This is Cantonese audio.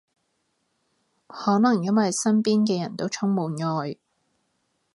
可能因為身邊嘅人到充滿愛